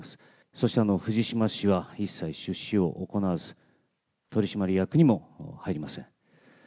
そして、藤島氏は一切出資を行わず、取締役にも入りません。